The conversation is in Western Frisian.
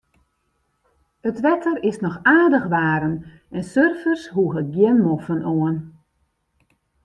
It wetter is noch aardich waarm en surfers hoege gjin moffen oan.